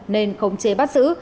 nên khống chế bắt xử